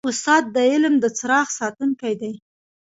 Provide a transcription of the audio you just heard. استاد د علم د څراغ ساتونکی دی.